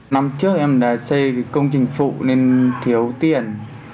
năm trước em đã xây công trình phụ nên thiếu tiền